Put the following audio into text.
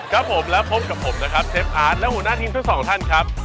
ครับผมแล้วพบกับผมนะครับเชฟอาร์ตและหัวหน้าทีมทั้งสองท่านครับ